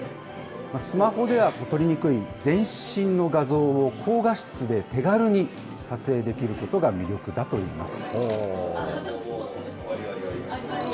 スマホでは撮りにくい全身の画像を高画質で手軽に撮影できることが魅力だといいます。